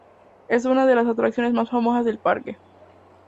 Es una de las atracciones más famosas del parque.